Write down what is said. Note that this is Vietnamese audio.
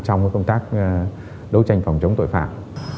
trong công tác đấu tranh phòng chống tội phạm